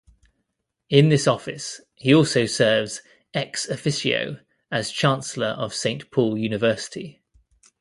In this office, he also serves "ex officio" as Chancellor of Saint Paul University.